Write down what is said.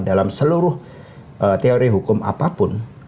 dalam seluruh teori hukum apapun